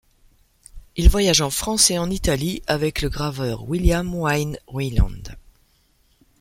Il voyage en France et en Italie avec le graveur William Wynne Ryland.